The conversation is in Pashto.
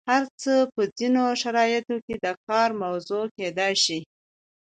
هر څه په ځینو شرایطو کې د کار موضوع کیدای شي.